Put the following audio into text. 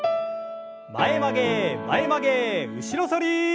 前曲げ前曲げ後ろ反り。